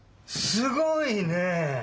すごいね！